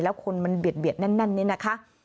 แล้วคนมันเบียดแน่นนี่นะคะ